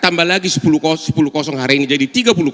tambah lagi sepuluh hari ini jadi tiga puluh empat